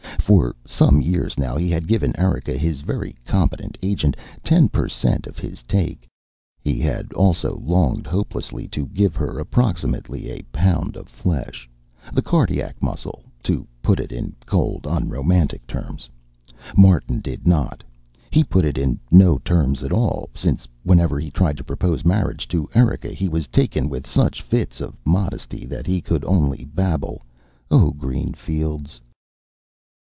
For some years now he had given Erika, his very competent agent, ten percent of his take. He had also longed hopelessly to give her approximately a pound of flesh the cardiac muscle, to put it in cold, unromantic terms. Martin did not; he put it in no terms at all, since whenever he tried to propose marriage to Erika he was taken with such fits of modesty that he could only babble o' green fields.